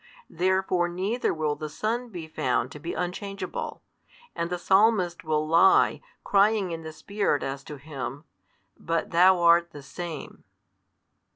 Therefore neither will the Son be found to be unchangeable, and the Psalmist will lie crying in the Spirit as to Him, But Thou art the Same.